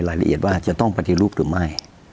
รายละเอียดว่าจะต้องปฏิรูปหรือไม่